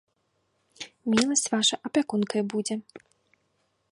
Міласць ваша апякункай будзе.